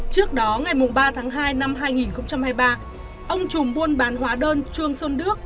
trước đó ngày ba tháng hai năm hai nghìn hai mươi ba ông chùm buôn bán hóa đơn truong xuân đước